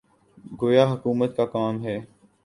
گویا حکومت کا کام ہے۔